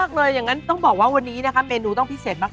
ก่อนเวลาจริงมากวันนี้เมนูต้องพิเศษมาก